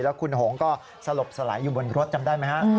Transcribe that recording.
คุณหงก็สลบสลายอยู่บนรถจำได้ไหมฮะ